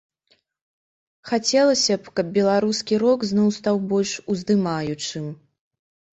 Хацелася б каб беларускі рок зноў стаў больш уздымаючым.